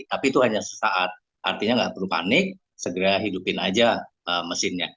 tapi itu hanya sesaat artinya nggak perlu panik segera hidupin aja mesinnya